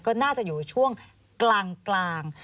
ก็น่าจะอยู่ช่วงกลาง